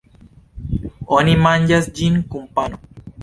Oni manĝas ĝin kun pano.